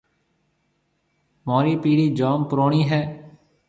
مهورِي پيڙهيَ جوم پُروڻِي هيَ۔